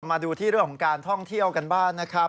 มาดูที่เรื่องของการท่องเที่ยวกันบ้างนะครับ